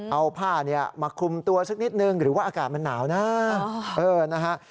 เอาผ้าเนี่ยมาคุมตัวสักนิดนึงหรือว่าอากาศมันหนาวนะ